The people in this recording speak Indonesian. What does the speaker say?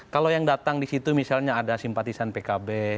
kalau yang datang disitu misalnya ada simpatisan pkb